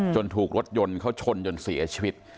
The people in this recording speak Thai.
ถูกรถยนต์เขาชนจนเสียชีวิต